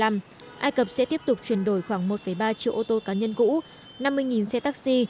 ai cập sẽ tiếp tục chuyển đổi khoảng một ba triệu ô tô cá nhân cũ năm mươi xe taxi